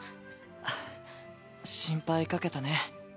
あぁ心配かけたね。